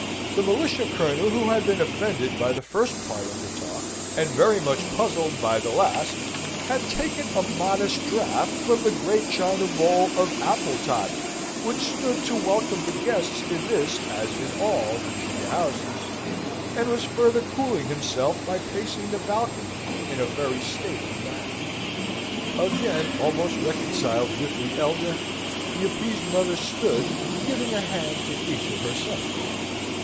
The militia colonel, who had been offended by the first part of the talk, and very much puzzled by the last, had taken a modest draught from the great china bowl of apple toddy which stood to welcome the guests in this as in all Virginian houses, and was further cooling himself by pacing the balcony in a very stately manner. Again almost reconciled with the elder, the appeased mother stood giving a hand to each of her sons.